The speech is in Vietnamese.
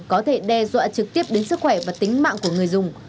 có thể đe dọa trực tiếp đến sức khỏe và tính mạng của người dùng